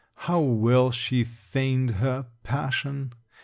How well she feigned her passion!